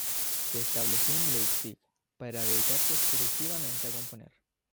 Se estableció en Leipzig para dedicarse exclusivamente a componer.